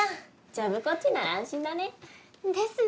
ジョブ子っちなら安心だね。ですね！